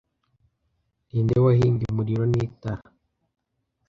Ninde wahimbye umuriro n'itara